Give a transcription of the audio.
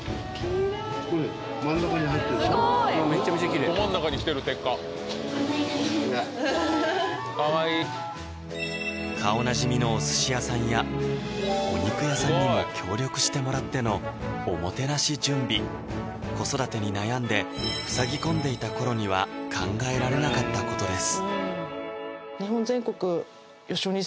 これ真ん中に入ってるでしょど真ん中に来てる鉄火顔なじみのお寿司屋さんやお肉屋さんにも協力してもらってのおもてなし準備子育てに悩んでふさぎ込んでいた頃には考えられなかったことです